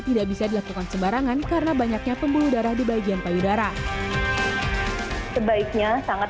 tidak bisa dilakukan sembarangan karena banyaknya pembuluh darah di bagian payudara sebaiknya sangat